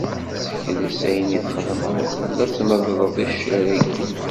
Sekles ayen i txedmed uqbel ad tmedleḍ iccer-agi.